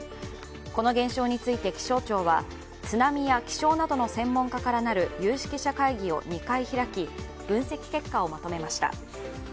この現象について気象庁は、津波や気象などの専門家からなる有識者会議を２回開き、分析結果をまとめました。